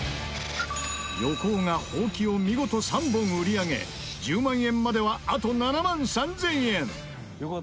横尾がホウキを見事３本売り上げ１０万円まではあと７万３０００円